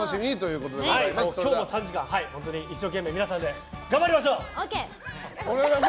今日も３時間一生懸命皆さんで頑張りましょう！